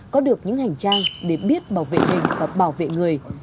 có được những hành trang để biết bảo vệ mình và bảo vệ người